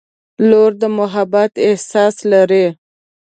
• لور د محبت احساس لري.